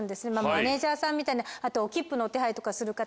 マネジャーさんみたいなお切符のお手配とかする方。